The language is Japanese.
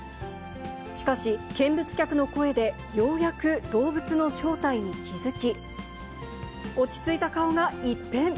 しかし、見物客の声でようやく動物の正体に気付き、落ち着いた顔が一変。